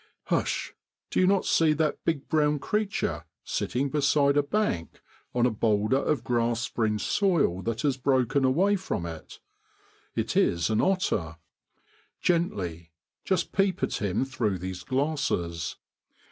Hush ! do you not see that big brown creature sitting beside a bank on a boulder of grass fringed soil that has broken away from it ? It is an otter. Grently ! Just peep at him through these glasses.